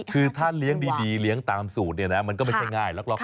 คือถ้าเลี้ยงดีเลี้ยงตามสูตรเนี่ยนะมันก็ไม่ใช่ง่าย